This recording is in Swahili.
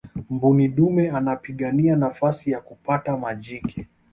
mbuni dume anapigania nafasi ya kupata majike